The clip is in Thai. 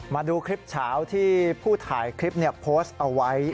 มาดูคลิปเฉาที่ผู้ถ่ายคลิปโพสต์เอาไว้